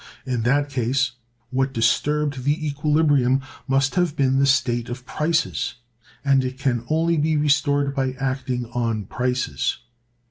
In that case, what disturbed the equilibrium must have been the state of prices, and it can only be restored by acting on prices.